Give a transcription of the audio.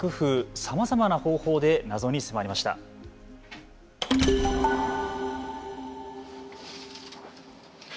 さまざまな方法で謎に迫りました。